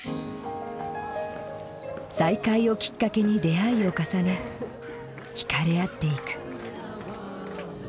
再会をきっかけに出会いを重ね引かれ合っていく。